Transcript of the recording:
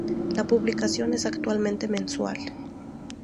La publicación es actualmente mensual.